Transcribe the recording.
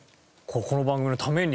この番組のために。